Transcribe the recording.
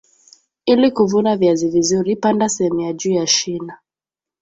ili kuvuna viazi vizuri panda sehemu ya juu ya shina